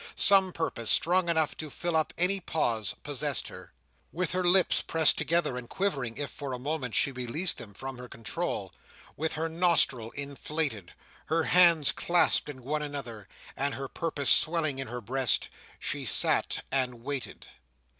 Some purpose, strong enough to fill up any pause, possessed her. With her lips pressed together, and quivering if for a moment she released them from her control; with her nostril inflated; her hands clasped in one another; and her purpose swelling in her breast; she sat, and waited.